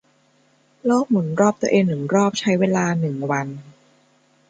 โลกหมุนรอบตัวเองหนึ่งรอบใช้เวลาหนึ่งวัน